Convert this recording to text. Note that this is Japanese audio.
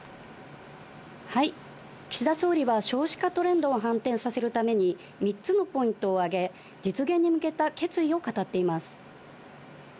岸田総理は、少子化トレンドを反転させるために、３つのポイントを挙げ、実現に向けた決意を語っています。